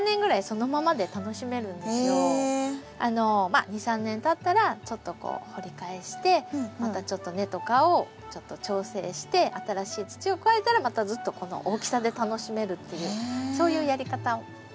まあ２３年たったらちょっとこう掘り返してまたちょっと根とかを調整して新しい土を加えたらまたずっとこの大きさで楽しめるっていうそういうやり方できますので。